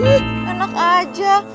eh enak aja